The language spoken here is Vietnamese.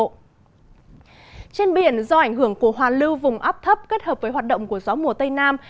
trên biển do ảnh hưởng của hoa lưu vùng áp thấp kết hợp với hoạt động của gió mùa tây nam